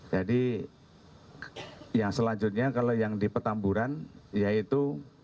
jadi yang selanjutnya kalau yang di petamburan yaitu